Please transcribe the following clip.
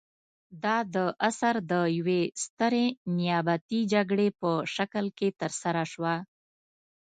دا د عصر د یوې سترې نیابتي جګړې په شکل کې ترسره شوه.